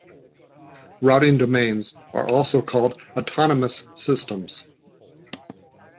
Routing domains are also called autonomous systems.